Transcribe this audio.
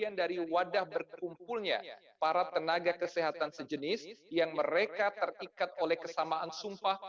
dan dari wadah berkumpulnya para tenaga kesehatan sejenis yang mereka terikat oleh kesamaan sumpah